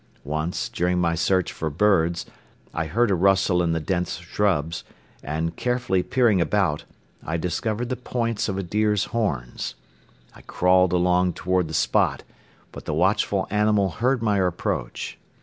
Once, during my search for birds, I heard a rustle in the dense shrubs and, carefully peering about, I discovered the points of a deer's horns. I crawled along toward the spot but the watchful animal heard my approach.